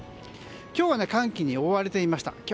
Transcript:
今日は寒気に覆われていました。